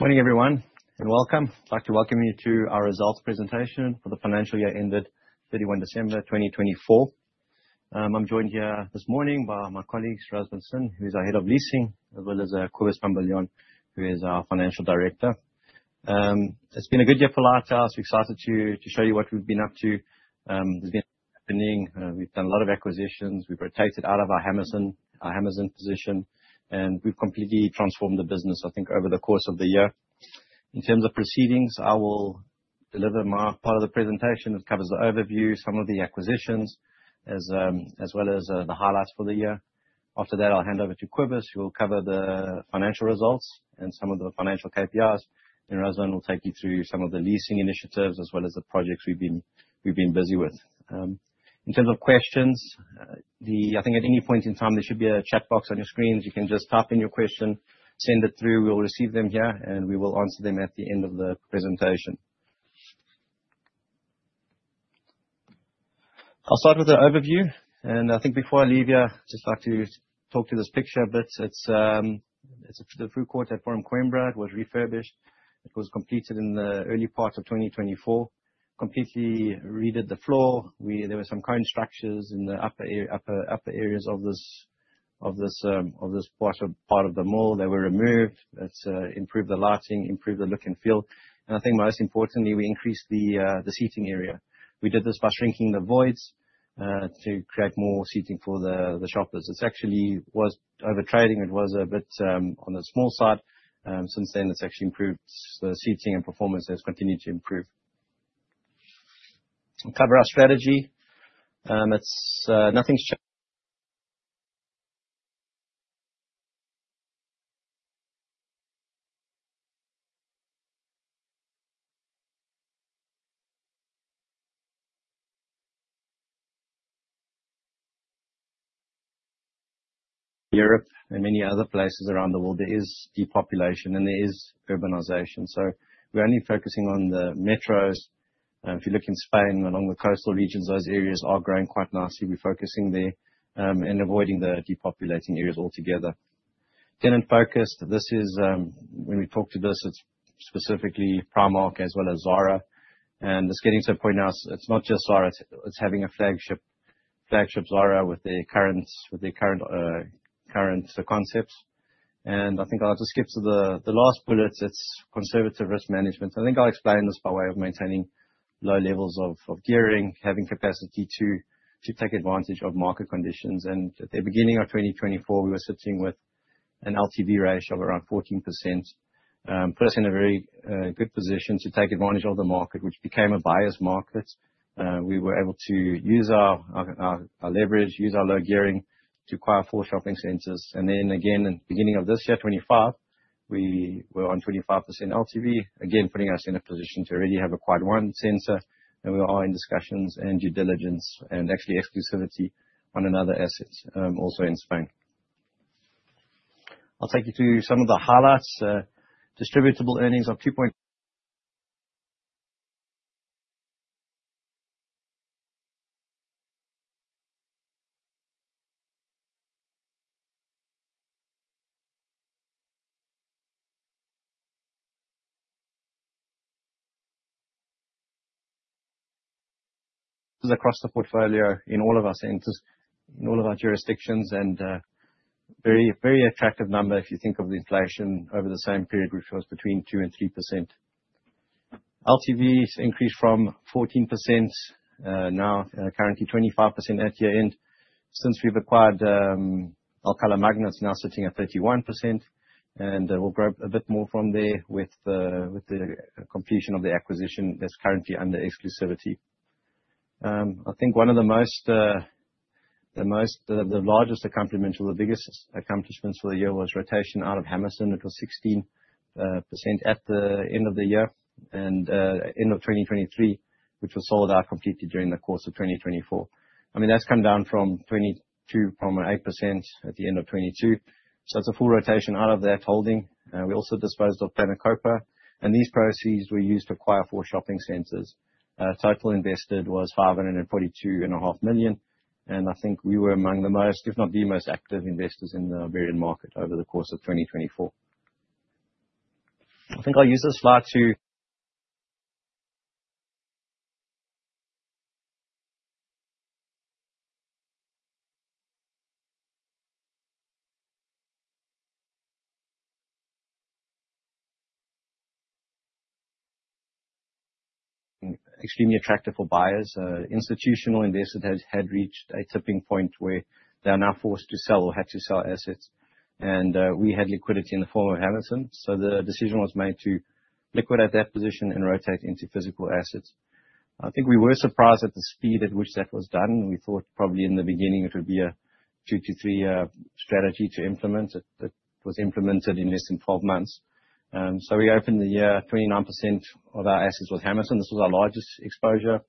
Morning everyone, and welcome. I'd like to welcome you to our results presentation for the financial year ended 31 December 2024. I'm joined here this morning by my colleagues, Razvan Sin, who's our Head of Leasing, as well as Cobus van Biljon, who is our Financial Director. It's been a good year for Lighthouse. We're excited to show you what we've been up to. We've done a lot of acquisitions. We've rotated out of our Hammerson position, and we've completely transformed the business, I think, over the course of the year. In terms of proceedings, I will deliver my part of the presentation. It covers the overview, some of the acquisitions, as well as the highlights for the year. After that, I'll hand over to Cobus, who will cover the financial results and some of the financial KPIs. Razvan will take you through some of the leasing initiatives as well as the projects we've been busy with. In terms of questions, I think at any point in time, there should be a chat box on your screens. You can just type in your question, send it through. We will receive them here, and we will answer them at the end of the presentation. I'll start with the overview. I think before I leave here, I'd just like to talk to this picture a bit. It's, it's the food court at Forum Coimbra. It was refurbished. It was completed in the early part of 2024. Completely redid the floor. There were some cone structures in the upper areas of this, of this part of the mall. They were removed. It's improved the lighting, improved the look and feel. I think most importantly, we increased the seating area. We did this by shrinking the voids to create more seating for the shoppers. It's actually was over-trading. It was a bit on the small side. Since then, it's actually improved. The seating and performance has continued to improve. I'll cover our strategy. It's Northern Europe and many other places around the world, there is depopulation and there is urbanization. We're only focusing on the metros. If you look in Spain, along the coastal regions, those areas are growing quite nicely. We're focusing there, avoiding the depopulating areas altogether. Tenant focus. This is, when we talk to this, it's specifically Primark as well as Zara. It's getting to a point now it's not just Zara, it's having a flagship Zara with their current, with their current concepts. I think I'll just skip to the last bullet. It's conservative risk management. I think I'll explain this by way of maintaining low levels of gearing, having capacity to take advantage of market conditions. At the beginning of 2024, we were sitting with an LTV ratio of around 14%. Put us in a very good position to take advantage of the market, which became a buyer's market. We were able to use our leverage, use our low gearing to acquire 4 shopping centers. At the beginning of this year, 2025, we were on 25% LTV, again, putting us in a position to already have acquired 1 center. We are in discussions and due diligence and actually exclusivity on another asset, also in Spain. I'll take you through some of the highlights. This is across the portfolio in all of our centers, in all of our jurisdictions, and very, very attractive number if you think of the inflation over the same period, which was between 2% and 3%. LTVs increased from 14%, now currently 25% at year-end. Since we've acquired Alcala Magna, it's now sitting at 31%, and we'll grow a bit more from there with the completion of the acquisition that's currently under exclusivity. I think one of the most, the largest accomplishment or the biggest accomplishments for the year was rotation out of Hammerson. It was 16% at the end of the year and end of 2023, which was sold out completely during the course of 2024. That's come down from 22.8% at the end of 2022. It's a full rotation out of that holding. We also disposed of Planet Koper, and these proceeds were used to acquire 4 shopping centers. Total invested was 542 and a half million. I think we were among the most, if not the most, active investors in the Iberian market over the course of 2024. I think I'll use this slide to. Extremely attractive for buyers. Institutional investors had reached a tipping point where they are now forced to sell or had to sell assets. We had liquidity in the form of Hammerson. The decision was made to liquidate that position and rotate into physical assets. I think we were surprised at the speed at which that was done. We thought probably in the beginning it would be a 2 to 3-year strategy to implement. It was implemented in less than 12 months. We opened the year, 39% of our assets with Hammerson. This was our largest exposure.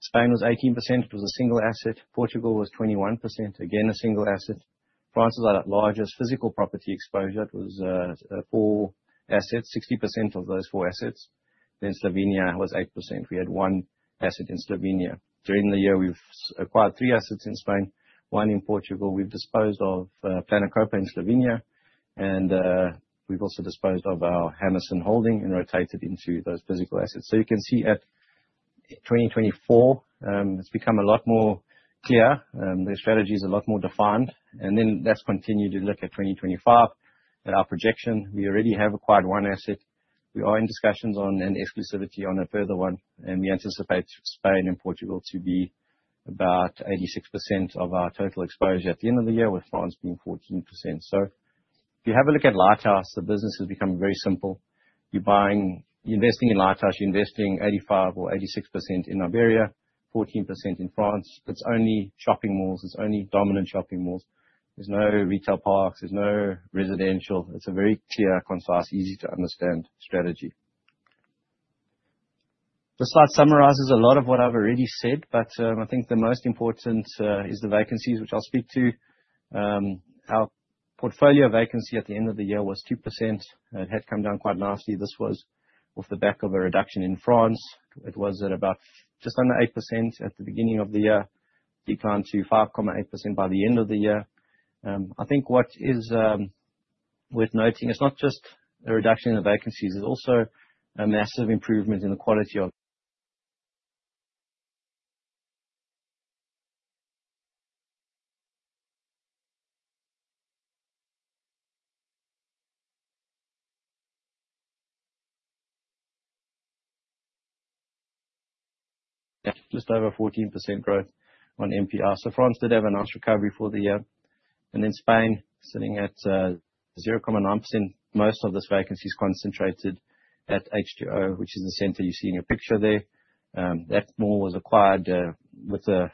Spain was 18%. It was a single asset. Portugal was 21%. Again, a single asset. France was our largest physical property exposure. It was 4 assets, 60% of those 4 assets. Slovenia was 8%. We had 1 asset in Slovenia. During the year, we've acquired 3 assets in Spain, 1 in Portugal. We've disposed of Planet Koper in Slovenia, and we've also disposed of our Hammerson plc holding and rotated into those physical assets. You can see at 2024, it's become a lot more clear, the strategy is a lot more defined. Let's continue to look at 2025 at our projection. We already have acquired 1 asset. We are in discussions on an exclusivity on a further 1, and we anticipate Spain and Portugal to be about 86% of our total exposure at the end of the year, with France being 14%. If you have a look at Lighthouse, the business has become very simple. Investing in Lighthouse, you're investing 85 or 86% in Iberia, 14% in France. It's only shopping malls. It's only dominant shopping malls. There's no retail parks, there's no residential. It's a very clear, concise, easy to understand strategy. The slide summarizes a lot of what I've already said, but I think the most important is the vacancies, which I'll speak to. Our portfolio vacancy at the end of the year was 2%. It had come down quite nicely. This was off the back of a reduction in France. It was at about just under 8% at the beginning of the year, declined to 5.8% by the end of the year. I think what is worth noting, it's not just a reduction in the vacancies, it's also a massive improvement in the quality of. Yeah, just over 14% growth on NPI. France did have a nice recovery for the year. In Spain, sitting at 0.9%, most of this vacancy is concentrated at H2O, which is the center you see in your picture there. That mall was acquired with a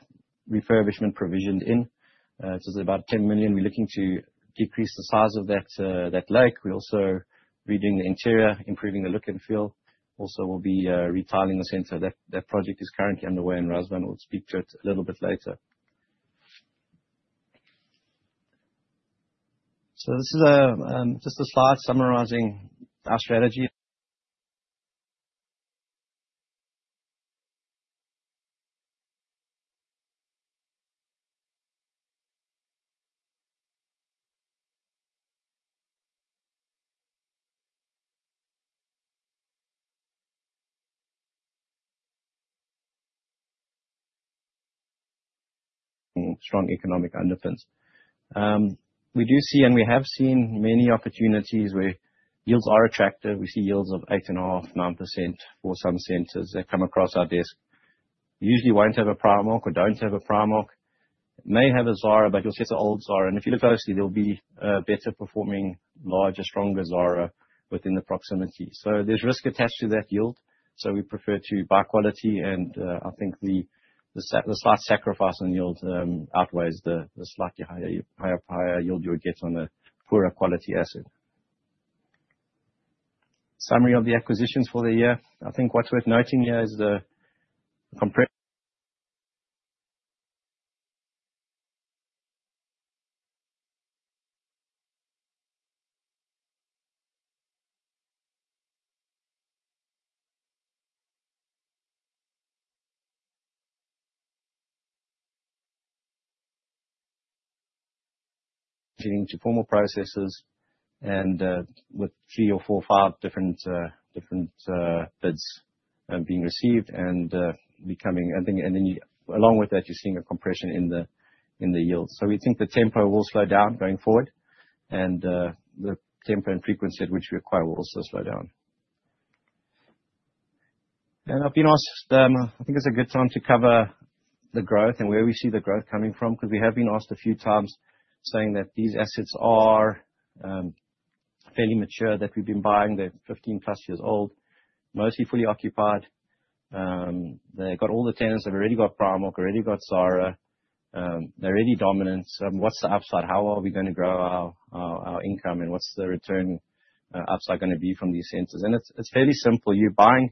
refurbishment provisioned in. This is about 10 million. We're looking to decrease the size of that lake. We're also redoing the interior, improving the look and feel. Also, we'll be retiling the center. That project is currently underway, and Razvan will speak to it a little bit later. This is just a slide summarizing our strategy. Strong economic underpinnings. We do see and we have seen many opportunities where yields are attractive. We see yields of 8.5%, 9% for some centers that come across our desk. Usually, won't have a Primark or don't have a Primark. May have a Zara, but you'll see it's an old Zara, and if you look closely, there'll be a better performing, larger, stronger Zara within the proximity. There's risk attached to that yield, so we prefer to buy quality. I think the slight sacrifice on yield outweighs the slightly higher yield you would get on a poorer quality asset. Summary of the acquisitions for the year. I think what's worth noting here is getting to formal processes with 3 or 4, 5 different bids being received. Along with that, you're seeing a compression in the yield. We think the tempo will slow down going forward and the tempo and frequency at which we acquire will also slow down. I've been asked, I think it's a good time to cover the growth and where we see the growth coming from, 'cause we have been asked a few times, saying that these assets are fairly mature, that we've been buying, they're 15-plus years old, mostly fully occupied. They've got all the tenants. They've already got Primark, already got Zara. They're already dominant. What's the upside? How are we gonna grow our, our income, and what's the return upside gonna be from these centers? It's, it's fairly simple. You're buying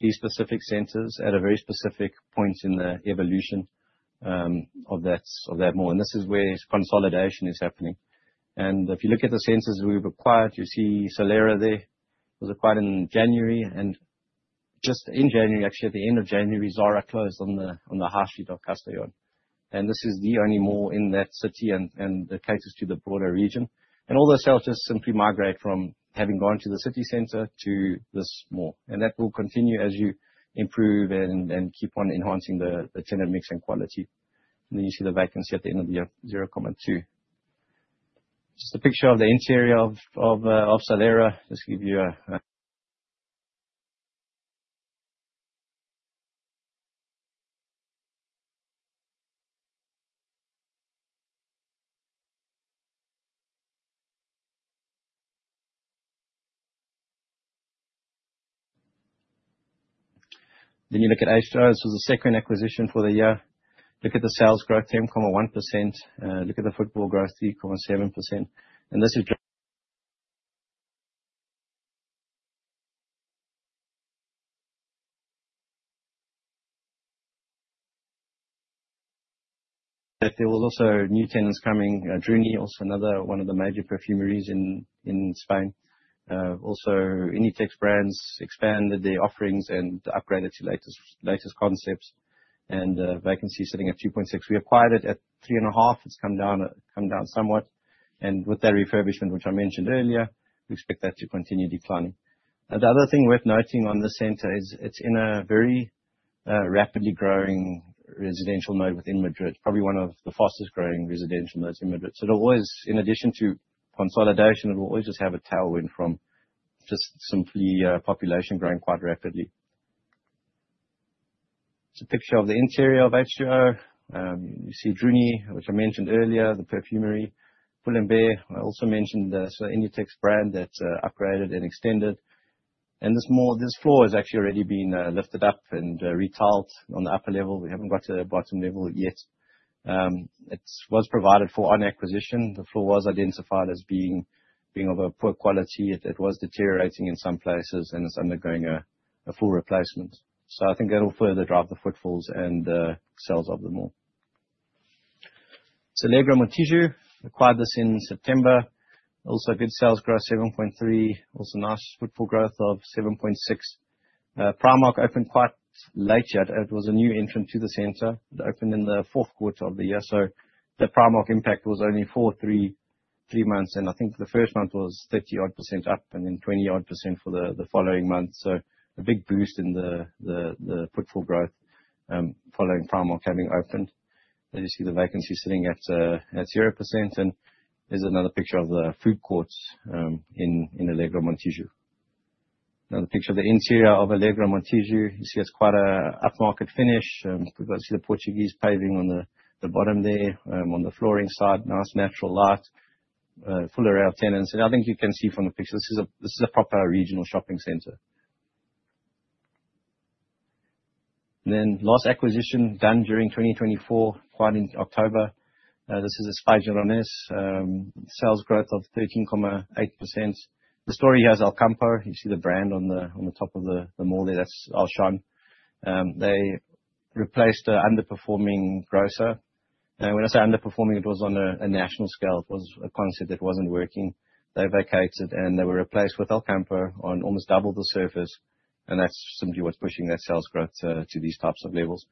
these specific centers at a very specific point in the evolution of that mall. This is where consolidation is happening. If you look at the centers we've acquired, you see Salera there. It was acquired in January. Just in January, actually, at the end of January, Zara closed on the, on the high street of Castellón. This is the only mall in that city and it caters to the broader region. All those sales just simply migrate from having gone to the city center to this mall. That will continue as you improve and keep on enhancing the tenant mix and quality. Then you see the vacancy at the end of the year, 0.2%. Just a picture of the interior of Salera. Just give you a. You look at H2O. This was the second acquisition for the year. Look at the sales growth, 10.1%. Look at the footfall growth, 3.7%. There were also new tenants coming. Druni, also another one of the major perfumeries in Spain. Also Inditex brands expanded their offerings and upgraded to latest concepts, vacancy sitting at 2.6%. We acquired it at 3.5%. It's come down somewhat. With that refurbishment, which I mentioned earlier, we expect that to continue declining. The other thing worth noting on this center is it's in a very rapidly growing residential node within Madrid, probably one of the fastest-growing residential nodes in Madrid. It always, in addition to consolidation, it will always just have a tailwind from just simply population growing quite rapidly. It's a picture of the interior of H2O. You see Druni, which I mentioned earlier, the perfumery. Pull&Bear, I also mentioned, Inditex brand that upgraded and extended. This floor has actually already been lifted up and retiled on the upper level. We haven't got to the bottom level yet. It was provided for on acquisition. The floor was identified as being of a poor quality. It was deteriorating in some places, and it's undergoing a full replacement. I think that'll further drive the footfalls and sales of the mall. Alegro Montijo acquired this in September. Also good sales growth, 7.3%. Also nice footfall growth of 7.6%. Primark opened quite late yet. It was a new entrant to the center. It opened in the fourth quarter of the year, so the Primark impact was only for 3 months. I think the first month was 30% odd up and then 20% odd for the following month. A big boost in the footfall growth, following Primark having opened. There you see the vacancy sitting at 0%. There's another picture of the food courts in Alegro Montijo. Another picture of the interior of Alegro Montijo. You see it's quite a upmarket finish. You can see the Portuguese paving on the bottom there, on the flooring side. Nice natural light, full-line tenants. I think you can see from the picture, this is a proper regional shopping center. Last acquisition done during 2024, acquired in October. This is Espacio Mediterráneo. Sales growth of 13.8%. The story here is Alcampo. You see the brand on the top of the mall there. That's Auchan. They replaced an underperforming grocer. When I say underperforming, it was on a national scale. It was a concept that wasn't working. They vacated, they were replaced with Alcampo on almost 2x the surface, and that's simply what's pushing that sales growth to these types of levels.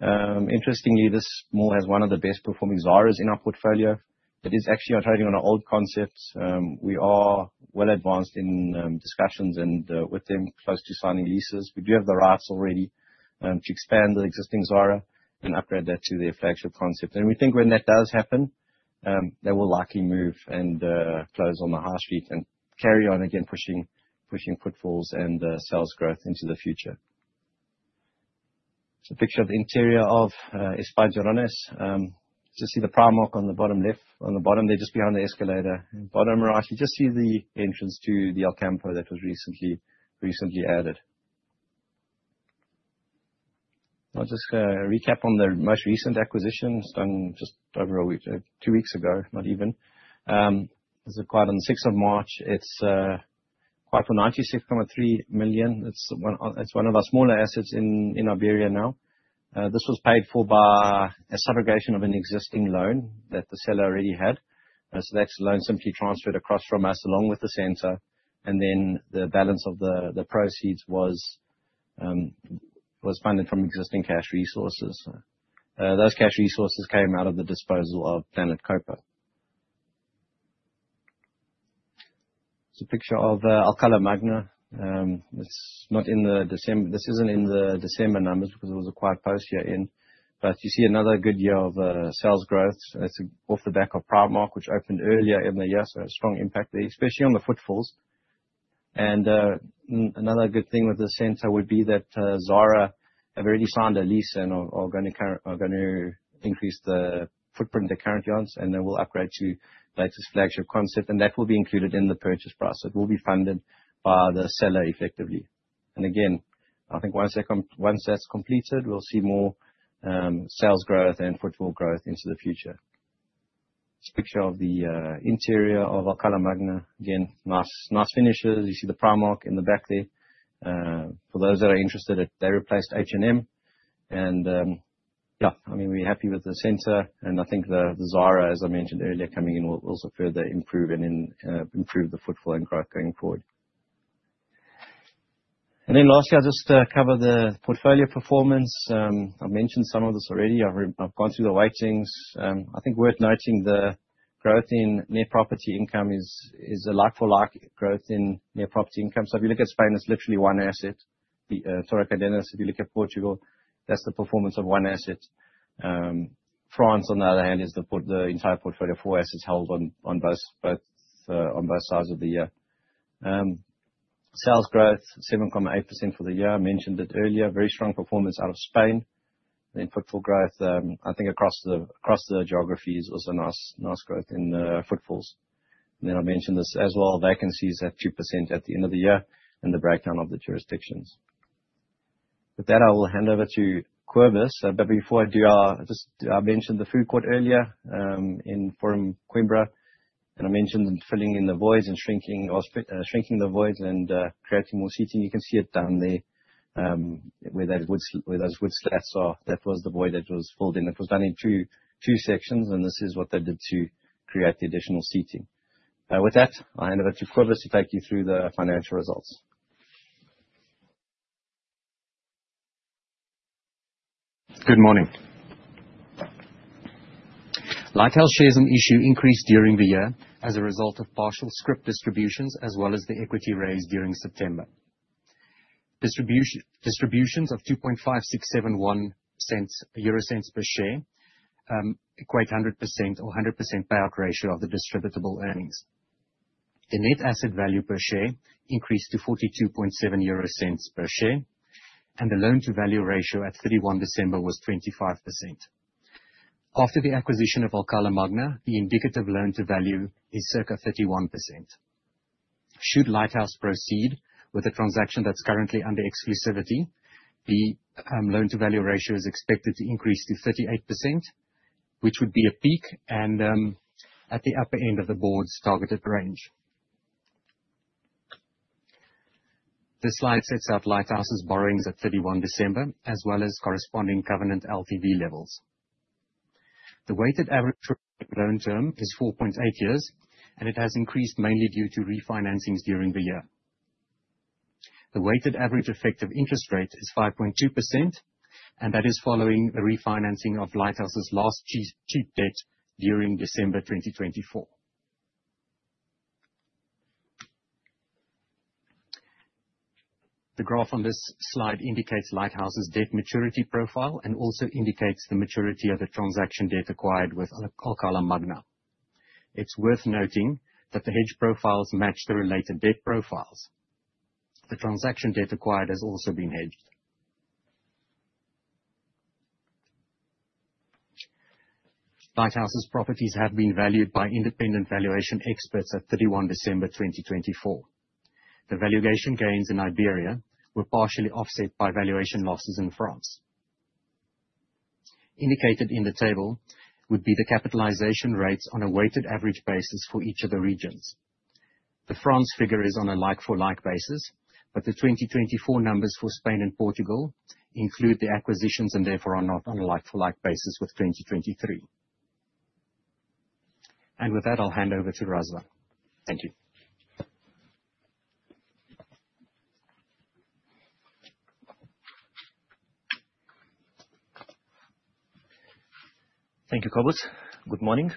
Interestingly, this mall has one of the best performing Zaras in our portfolio. It is actually trading on an old concept. We are well advanced in discussions and with them close to signing leases. We do have the rights already to expand the existing Zara and upgrade that to their flagship concept. We think when that does happen, they will likely move and close on the high street and carry on again, pushing footfalls and sales growth into the future. It's a picture of the interior of Espacio. You see the Primark on the bottom there, just behind the escalator. Bottom right, you just see the entrance to the Alcampo that was recently added. I'll just recap on the most recent acquisitions done just over a week, two weeks ago, not even. This acquired on 6th of March. It's acquired for 96.3 million. It's one of our smaller assets in Iberia now. This was paid for by a subrogation of an existing loan that the seller already had. That loan simply transferred across from us along with the center, and then the balance of the proceeds was funded from existing cash resources. Those cash resources came out of the disposal of Planet Koper. It's a picture of Alcala Magna. It's not in the December numbers because it was acquired post year-end. You see another good year of sales growth. It's off the back of Primark, which opened earlier in the year. A strong impact there, especially on the footfalls. Another good thing with the center would be that Zara have already signed a lease and are going to increase the footprint they're currently on. We'll upgrade to latest flagship concept. That will be included in the purchase price. It will be funded by the seller effectively. Again, I think once that's completed, we'll see more sales growth and footfall growth into the future. This picture of the interior of Alcala Magna. Again, nice finishes. You see the Primark in the back there. For those that are interested, they replaced H&M. I mean, we're happy with the center, I think the Zara, as I mentioned earlier, coming in will also further improve and improve the footfall and growth going forward. Lastly, I'll just cover the portfolio performance. I've mentioned some of this already. I've gone through the weightings. I think worth noting the growth in Net Property Income is a like for like growth in Net Property Income. If you look at Spain, it's literally one asset. The Torrecárdenas, if you look at Portugal, that's the performance of one asset. France, on the other hand, is the entire portfolio, four assets held on both sides of the year. Sales growth, 7.8% for the year. I mentioned it earlier. Very strong performance out of Spain. Footfall growth, I think across the geographies was a nice growth in footfalls. I mentioned this as well, vacancies at 2% at the end of the year and the breakdown of the jurisdictions. With that, I will hand over to Cobus. Before I do, I mentioned the food court earlier in Forum Coimbra. I mentioned filling in the voids and shrinking the voids and creating more seating. You can see it down there, where those wood slats are. That was the void that was filled in. It was done in 2 sections, and this is what they did to create the additional seating. With that, I hand over to Kobus to take you through the financial results. Good morning. Lighthouse shares on issue increased during the year as a result of partial scrip distributions, as well as the equity raise during September. Distributions of 0.025671 per share equate 100% or 100% payout ratio of the distributable earnings. The net asset value per share increased to 0.427 per share, and the loan-to-value ratio at 31 December was 25%. After the acquisition of Alcala Magna, the indicative loan-to-value is circa 31%. Should Lighthouse proceed with the transaction that's currently under exclusivity, the loan-to-value ratio is expected to increase to 38%, which would be a peak and at the upper end of the board's targeted range. This slide sets out Lighthouse's borrowings at 31 December, as well as corresponding covenant LTV levels. The weighted average loan term is 4.8 years, and it has increased mainly due to refinancings during the year. The weighted average effective interest rate is 5.2%, and that is following a refinancing of Lighthouse's last cheap debt during December 2024. The graph on this slide indicates Lighthouse's debt maturity profile and also indicates the maturity of the transaction debt acquired with Alcala Magna. It's worth noting that the hedge profiles match the related debt profiles. The transaction debt acquired has also been hedged. Lighthouse's properties have been valued by independent valuation experts at 31 December 2024. The valuation gains in Iberia were partially offset by valuation losses in France. Indicated in the table would be the capitalization rates on a weighted average basis for each of the regions. The France figure is on a like-for-like basis, but the 2024 numbers for Spain and Portugal include the acquisitions, and therefore are not on a like-for-like basis with 2023. With that, I'll hand over to Razvan Sin. Thank you. Thank you, Cobus. Good morning.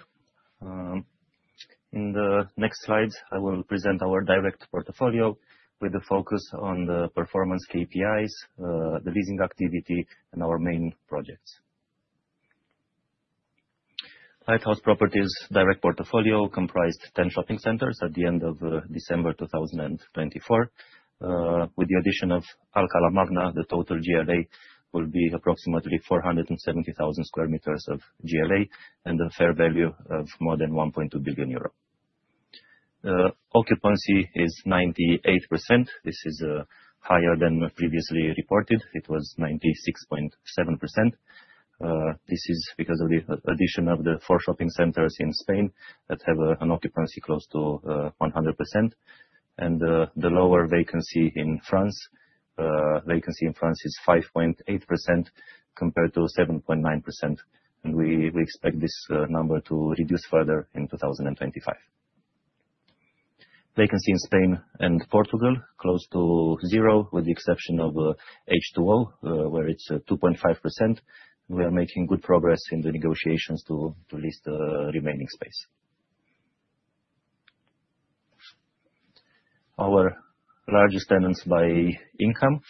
In the next slides, I will present our direct portfolio with the focus on the performance KPIs, the leasing activity, and our main projects. Lighthouse Properties direct portfolio comprised 10 shopping centers at the end of December 2024. With the addition of Alcala Magna, the total GLA will be approximately 470,000 sq m of GLA and a fair value of more than 1.2 billion euro. Occupancy is 98%. This is higher than previously reported. It was 96.7%. This is because of the addition of the 4 shopping centers in Spain that have an occupancy close to 100%. The lower vacancy in France. Vacancy in France is 5.8% compared to 7.9%. We expect this number to reduce further in 2025. Vacancy in Spain and Portugal, close to zero, with the exception of H2O, where it's 2.5%. We are making good progress in the negotiations to lease the remaining space. Our largest tenants by income.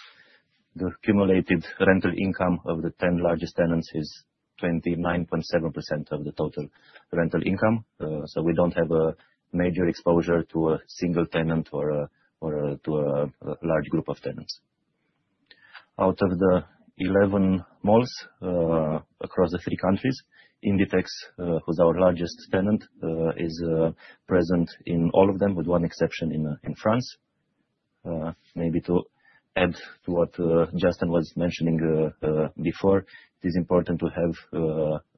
The accumulated rental income of the 10 largest tenants is 29.7% of the total rental income. We don't have a major exposure to a single tenant or to a large group of tenants. Out of the 11 malls across the three countries, Inditex, who's our largest tenant, is present in all of them, with one exception in France. maybe to add to what Justin was mentioning before, it is important to have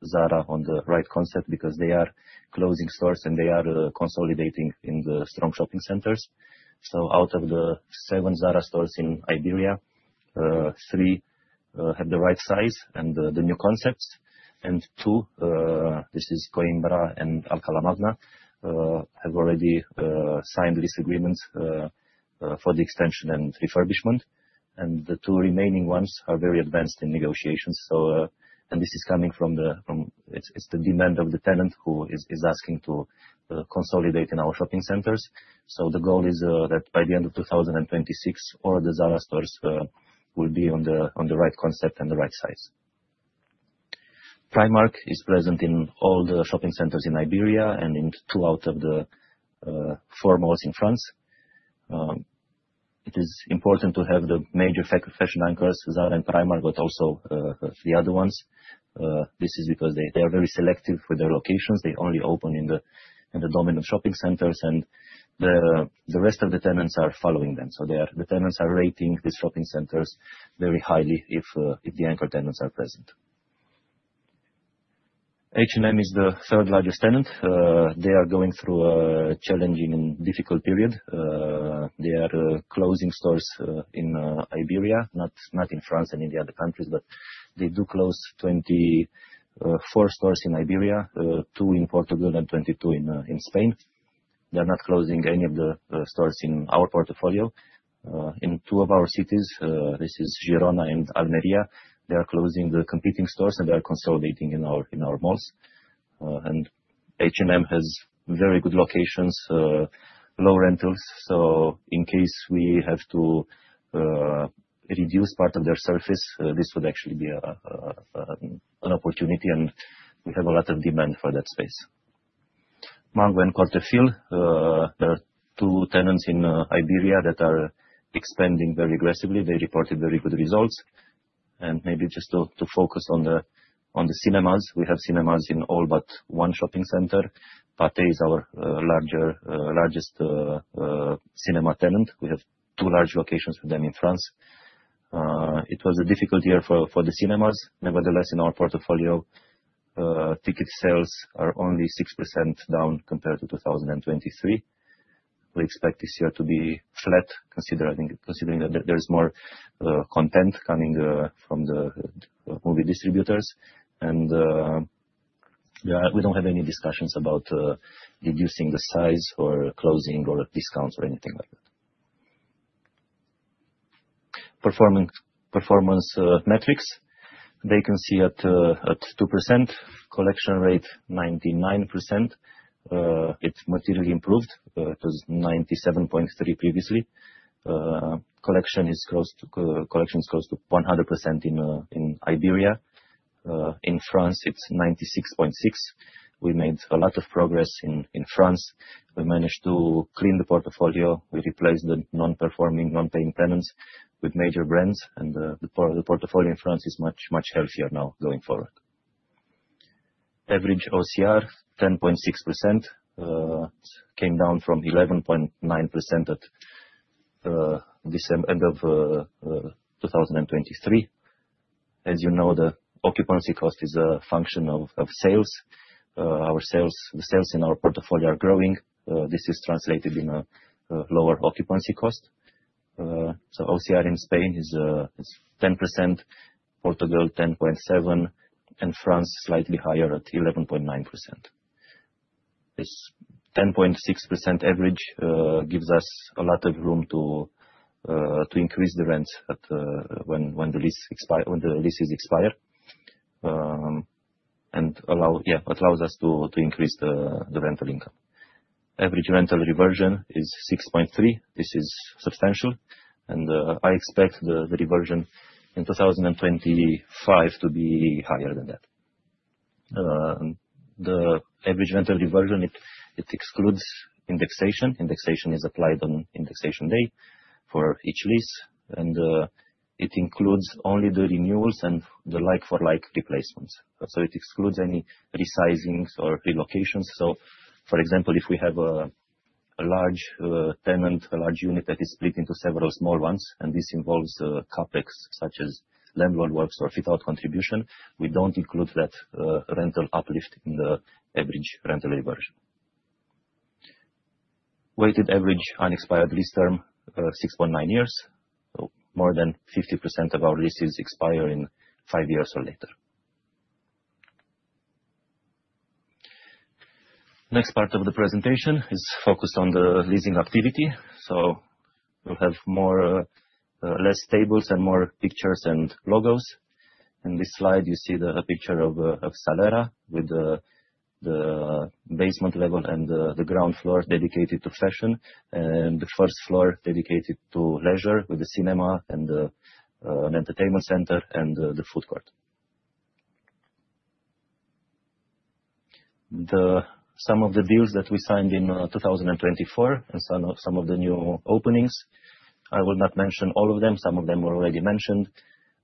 Zara on the right concept because they are closing stores and they are consolidating in the strong shopping centers. Out of the seven Zara stores in Iberia, three have the right size and the new concepts. Two, this is Coimbra and Alcala Magna, have already signed lease agreements for the extension and refurbishment. The two remaining ones are very advanced in negotiations. This is coming from the tenant. It's the demand of the tenant who is asking to consolidate in our shopping centers. The goal is that by the end of 2026, all the Zara stores will be on the right concept and the right size. Primark is present in all the shopping centers in Iberia and in 2 out of the 4 malls in France. It is important to have the major fashion anchors, Zara and Primark, also the other ones. This is because they are very selective with their locations. They only open in the dominant shopping centers, the rest of the tenants are following them. The tenants are rating these shopping centers very highly if the anchor tenants are present. H&M is the third largest tenant. They are going through a challenging and difficult period. They are closing stores in Iberia, not in France and in the other countries, but they do close 24 stores in Iberia, 2 in Portugal and 22 in Spain. They are not closing any of the stores in our portfolio. In two of our cities, this is Girona and Almería, they are closing the competing stores, and they are consolidating in our malls. H&M has very good locations, low rentals. In case we have to reduce part of their surface, this would actually be an opportunity, we have a lot of demand for that space. Mango and Cortefiel, the two tenants in Iberia that are expanding very aggressively. They reported very good results. Maybe just to focus on the cinemas. We have cinemas in all but one shopping center. Pathé is our larger, largest cinema tenant. We have two large locations with them in France. It was a difficult year for the cinemas. Nevertheless, in our portfolio, ticket sales are only 6% down compared to 2023. We expect this year to be flat, considering that there is more content coming from the movie distributors. We don't have any discussions about reducing the size or closing or discounts or anything like that. Performance metrics. Vacancy at 2%. Collection rate, 99%. It's materially improved. It was 97.3 previously. Collection is close to 100% in Iberia. In France, it's 96.6. We made a lot of progress in France. We managed to clean the portfolio. We replaced the non-performing, non-paying tenants with major brands, and the portfolio in France is much, much healthier now going forward. Average OCR, 10.6%, came down from 11.9% at end of 2023. As you know, the occupancy cost is a function of sales. Our sales, the sales in our portfolio are growing. This is translated in a lower occupancy cost. So OCR in Spain is 10%, Portugal 10.7%, and France slightly higher at 11.9%. This 10.6% average gives us a lot of room to increase the rents when the leases expire and allows us to increase the rental income. Average rental reversion is 6.3%. This is substantial. I expect the reversion in 2025 to be higher than that. The average rental reversion, it excludes indexation. Indexation is applied on indexation day for each lease. It includes only the renewals and the like for like replacements. It excludes any resizings or relocations. For example, if we have a large tenant, a large unit that is split into several small ones, and this involves CapEx, such as landlord works or fit-out contribution, we don't include that rental uplift in the average rental reversion. Weighted average unexpired lease term, 6.9 years. More than 50% of our leases expire in 5 years or later. Next part of the presentation is focused on the leasing activity. We'll have more less tables and more pictures and logos. In this slide, you see a picture of Salera with the basement level and the ground floor dedicated to fashion, and the first floor dedicated to leisure with the cinema and an entertainment center and the food court. Some of the deals that we signed in 2024 and some of the new openings. I will not mention all of them. Some of them were already mentioned.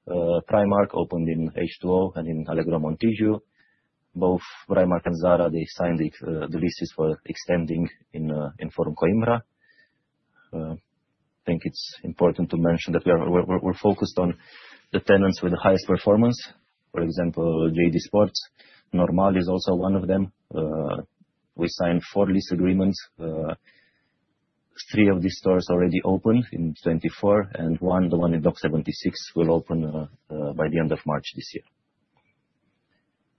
Primark opened in H2O and in Alegro Montijo. Both Primark and Zara, they signed the leases for extending in Forum Coimbra. I think it's important to mention that we're focused on the tenants with the highest performance. For example, JD Sports. Normal is also one of them. We signed 4 lease agreements. 3 of these stores already opened in 2024, and 1, the one in Docks 76, will open by the end of March this year.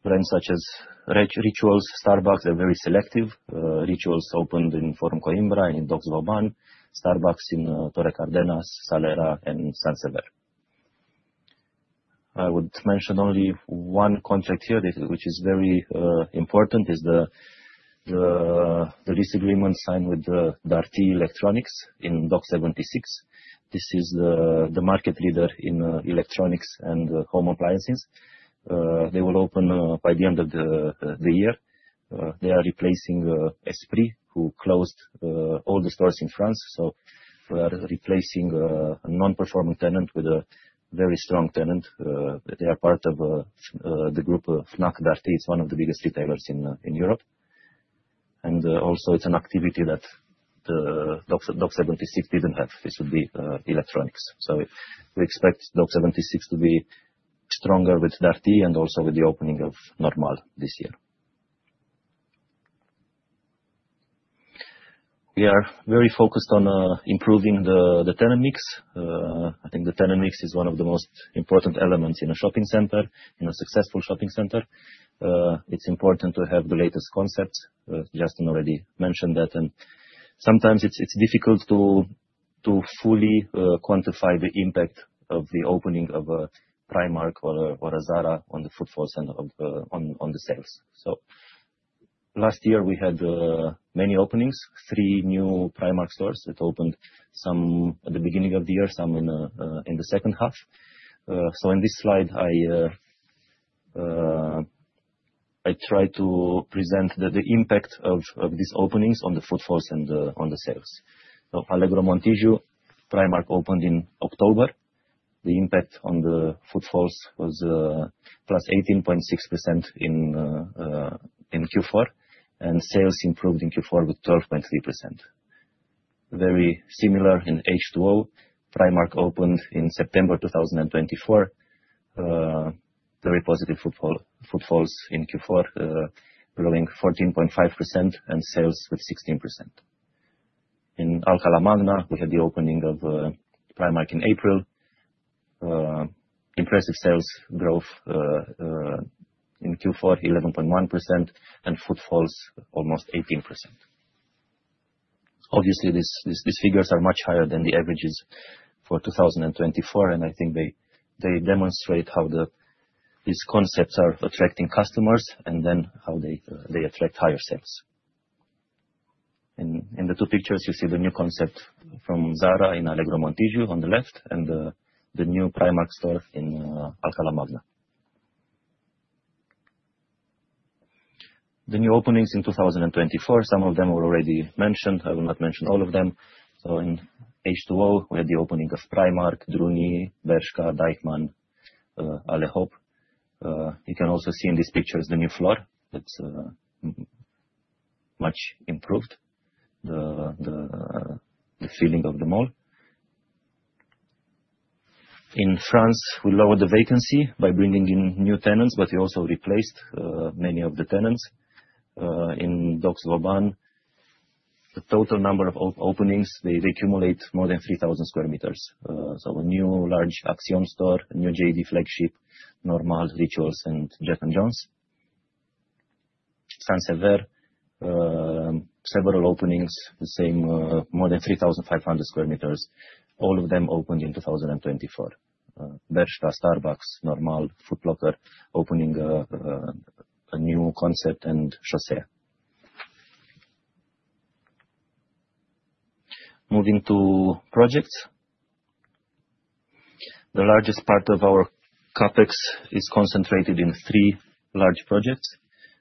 Brands such as Rituals, Starbucks are very selective. Rituals opened in Forum Coimbra, in Docks Vauban. Starbucks in Torrecárdenas, Salera and Saint-Sever. I would mention only one contract here which is very important is the lease agreement signed with Darty Electronics in Docks 76. This is the market leader in electronics and home appliances. They will open by the end of the year. They are replacing Esprit, who closed all the stores in France. We are replacing a non-performing tenant with a very strong tenant. They are part of the group Fnac Darty. It's one of the biggest retailers in Europe. Also, it's an activity that Docks 76 didn't have. This would be electronics. We expect Docks 76 to be stronger with Darty and also with the opening of Normal this year. We are very focused on improving the tenant mix. I think the tenant mix is one of the most important elements in a shopping center, in a successful shopping center. It's important to have the latest concepts. Justin already mentioned that, and sometimes it's difficult to fully quantify the impact of the opening of a Primark or a Zara on the footfalls and on the sales. Last year we had many openings, three new Primark stores that opened, some at the beginning of the year, some in the second half. In this slide, I try to present the impact of these openings on the footfalls and on the sales. Alegro Montijo, Primark opened in October. The impact on the footfalls was plus 18.6% in Q4. Sales improved in Q4 with 12.3%. Very similar in H2O. Primark opened in September 2024. Very positive footfalls in Q4, growing 14.5% and sales with 16%. In Alcalá Magna, we had the opening of Primark in April. Impressive sales growth in Q4, 11.1%, and footfalls almost 18%. Obviously, these figures are much higher than the averages for 2024, and I think they demonstrate how these concepts are attracting customers and then how they attract higher sales. In the 2 pictures, you see the new concept from Zara in Alegro Montijo on the left and the new Primark store in Alcalá Magna. The new openings in 2024, some of them were already mentioned. I will not mention all of them. In H2O, we had the opening of Primark, Druni, Bershka, Deichmann, ALE-HOP. You can also see in these pictures the new floor that's much improved the feeling of the mall. In France, we lowered the vacancy by bringing in new tenants, but we also replaced many of the tenants in Docks 76. The total number of openings, they accumulate more than 3,000 sq m. A new large Action store, a new JD flagship, Normal, Rituals, and Jack & Jones. Saint-Sever, several openings, the same, more than 3,500 sq m. All of them opened in 2024. Bershka, Starbucks, Normal, Foot Locker, opening a new concept and Chaussea. Moving to projects. The largest part of our CapEx is concentrated in three large projects.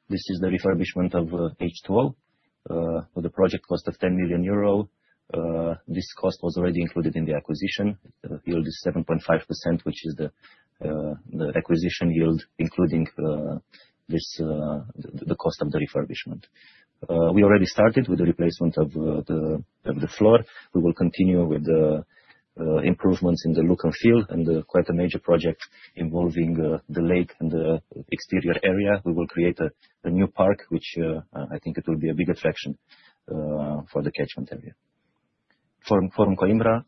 This is the refurbishment of H2O, with a project cost of 10 million euro. This cost was already included in the acquisition. The yield is 7.5%, which is the acquisition yield, including the cost of the refurbishment. We already started with the replacement of the floor. We will continue with the improvements in the look and feel and quite a major project involving the lake and the exterior area. We will create a new park, which I think it will be a big attraction for the catchment area. Forum Coimbra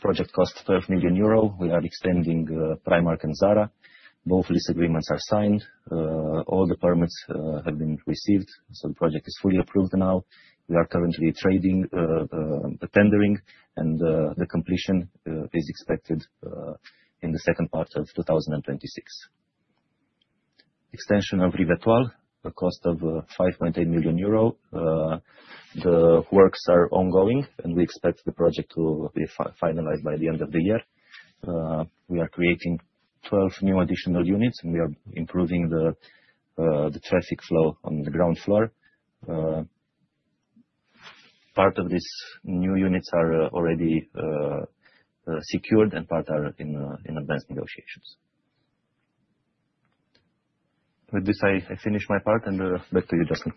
project cost 12 million euro. We are extending Primark and Zara. Both lease agreements are signed. All the permits have been received, so the project is fully approved now. We are currently tendering, and the completion is expected in the second part of 2026. Extension of Rivetoile, a cost of 5.8 million euro. The works are ongoing, and we expect the project to be finalized by the end of the year. We are creating 12 new additional units, and we are improving the traffic flow on the ground floor. Part of these new units are already secured, and part are in advanced negotiations. With this, I finish my part, and back to you, Justin.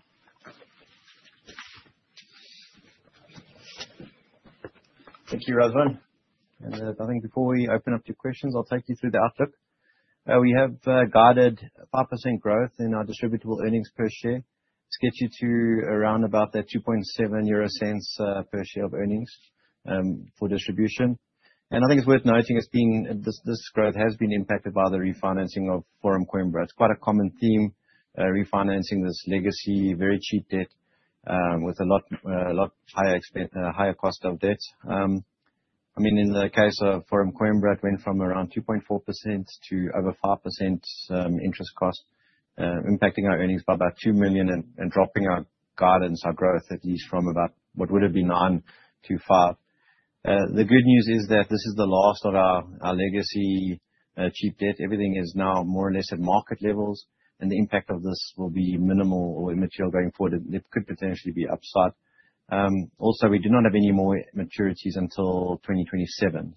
Thank you, Razvan. I think before we open up to questions, I'll take you through the outlook. We have guided 5% growth in our distributable earnings per share. This gets you to around about that 0.027 per share of earnings for distribution. I think it's worth noting this growth has been impacted by the refinancing of Forum Coimbra. It's quite a common theme, refinancing this legacy, very cheap debt, with a lot higher cost of debt. I mean, in the case of Forum Coimbra, it went from around 2.4% to over 5% interest cost, impacting our earnings by about 2 million and dropping our guidance, our growth at least from about what would have been 9% to 5%. The good news is that this is the last of our legacy cheap debt. Everything is now more or less at market levels. The impact of this will be minimal or immaterial going forward. It could potentially be upside. We do not have any more maturities until 2027.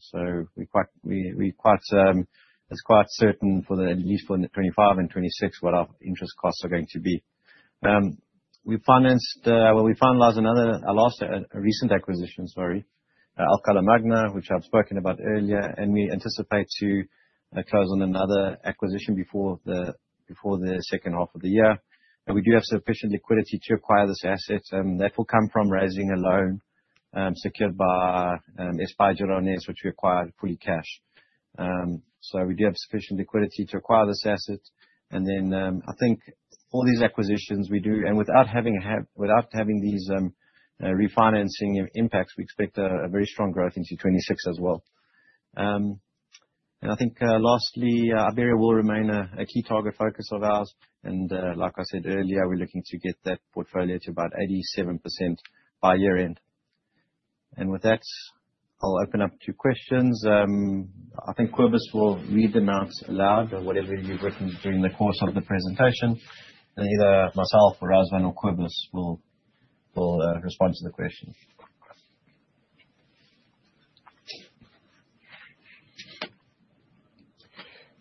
We quite, it's quite certain at least for the 25 and 26 what our interest costs are going to be. We financed, well, we finalized our last recent acquisition, sorry, Alcalá Magna, which I've spoken about earlier. We anticipate to close on another acquisition before the second half of the year. We do have sufficient liquidity to acquire this asset, and that will come from raising a loan, secured by Espacio, which we acquired fully cash. We do have sufficient liquidity to acquire this asset. All these acquisitions we do, without having these refinancing impacts, we expect a very strong growth into 2026 as well. Lastly, Iberia will remain a key target focus of ours. Like I said earlier, we're looking to get that portfolio to about 87% by year-end. With that, I'll open up to questions. Cobus will read them out loud or whatever you've written during the course of the presentation. Either myself or Razvan or Cobus will respond to the questions.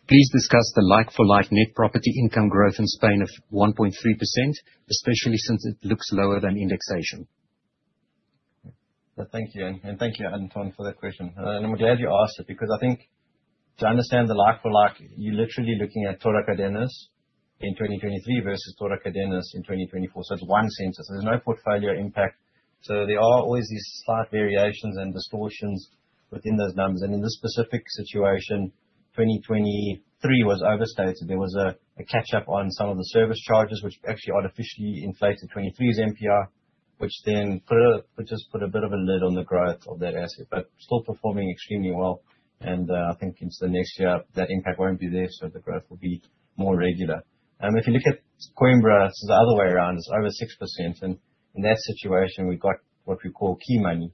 Please discuss the like-for-like net property income growth in Spain of 1.3%, especially since it looks lower than indexation. Thank you. Thank you, Anton, for that question. I'm glad you asked it because I think to understand the like-for-like, you're literally looking at Torrecárdenas in 2023 versus Torrecárdenas in 2024. It's one center. There are always these slight variations and distortions within those numbers. In this specific situation, 2023 was overstated. There was a catch-up on some of the service charges which actually artificially inflated 2023's NPI, which has put a bit of a lid on the growth of that asset. Still performing extremely well. I think into the next year, that impact won't be there, so the growth will be more regular. If you look at Coimbra, this is the other way around. It's over 6%. In that situation, we've got what we call key money.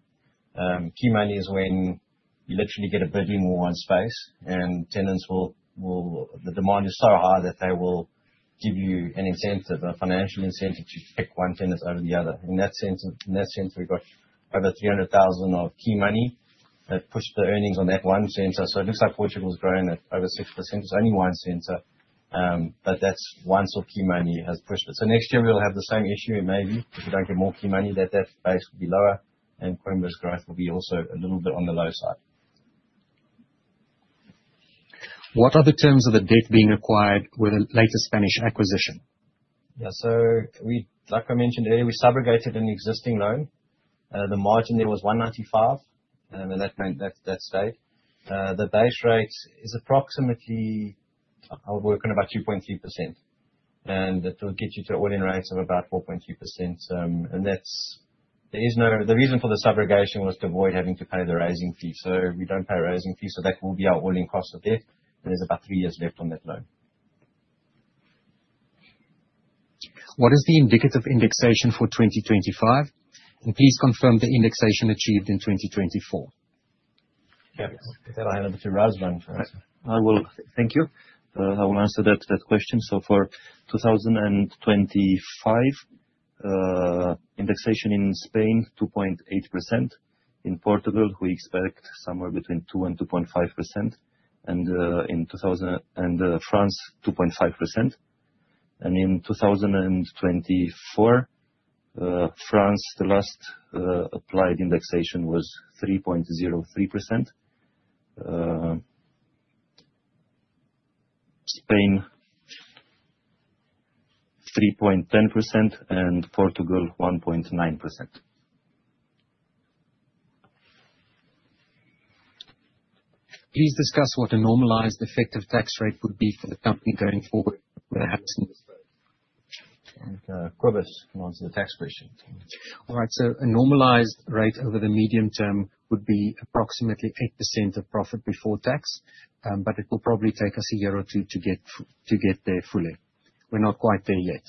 Key money is when you literally get a bidding war on space and the demand is so high that they will give you an incentive, a financial incentive to pick one tenant over the other. In that sense, we've got over 300,000 of key money that pushed the earnings on that one center. It looks like Portugal is growing at over 6%. It's only one center, but that's one-off key money has pushed it. Next year we'll have the same issue maybe. If we don't get more key money, that base will be lower and Coimbra's growth will be also a little bit on the low side. What are the terms of the debt being acquired with the latest Spanish acquisition? Yeah. Like I mentioned earlier, we subrogated an existing loan. The margin there was 195. That stayed. The base rate is approximately, I would work on about 2.3%. That will get you to all-in rates of about 4.2%. The reason for the subrogation was to avoid having to pay the raising fee. We don't pay a raising fee, so that will be our all-in cost of debt. There's about 3 years left on that loan. What is the indicative indexation for 2025? Please confirm the indexation achieved in 2024. Yeah. I'll hand over to Razvan to answer. Thank you. I will answer that question. For 2025, indexation in Spain, 2.8%. In Portugal, we expect somewhere between 2% and 2.5%. In France, 2.5%. In 2024, France, the last applied indexation was 3.03%. Spain, 3.10%, and Portugal 1.9%. Please discuss what a normalized effective tax rate would be for the company going forward when it happens? Let Cobus come on to the tax question. All right. A normalized rate over the medium term would be approximately 8% of profit before tax, but it will probably take us a year or two to get to get there fully. We're not quite there yet.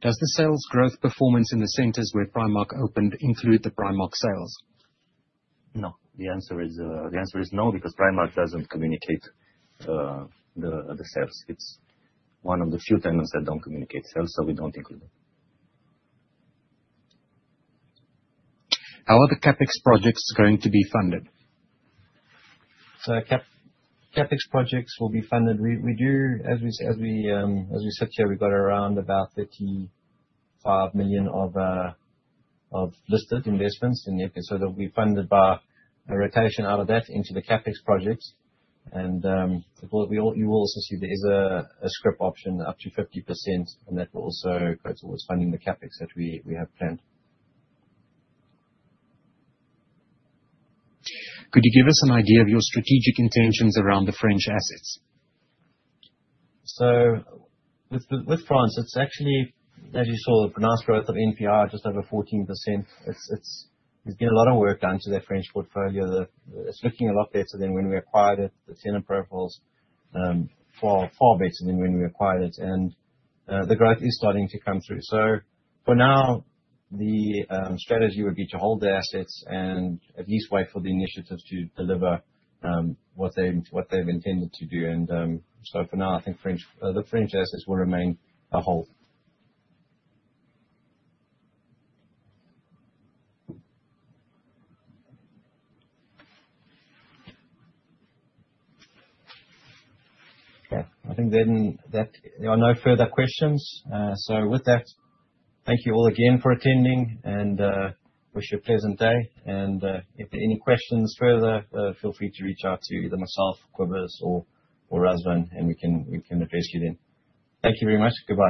Does the sales growth performance in the centers where Primark opened include the Primark sales? No. The answer is, the answer is no because Primark doesn't communicate the sales. It's one of the few tenants that don't communicate sales, so we don't include it. How are the CapEx projects going to be funded? CapEx projects will be funded. We do. As we sit here, we've got around about 35 million of listed investments in the EPRA. That will be funded by a rotation out of that into the CapEx projects. Of course, you will also see there is a scrip option up to 50%, and that will also go towards funding the CapEx that we have planned. Could you give us an idea of your strategic intentions around the French assets? With France, it's, as you saw, pronounced growth of NPI just over 14%. There's been a lot of work done to that French portfolio. It's looking a lot better than when we acquired it. The tenant profiles, far better than when we acquired it. The growth is starting to come through. For now, the strategy would be to hold the assets and at least wait for the initiatives to deliver what they've intended to do. For now, I think French, the French assets will remain a hold. Okay. I think that there are no further questions. With that, thank you all again for attending and wish you a pleasant day. If there are any questions further, feel free to reach out to either myself, Cobus or Razvan, and we can address you then. Thank you very much. Goodbye.